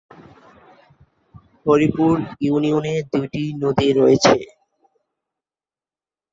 হরিপুর ইউনিয়নে দুইটি নদী রয়েছে।